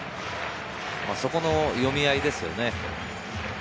そこの読み合いですよね。